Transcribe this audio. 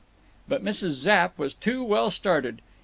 _" But Mrs. Zapp was too well started.